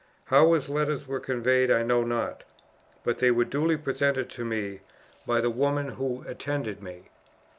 How his letters were conveyed I know not; but they were duly presented to me by the woman who attended me.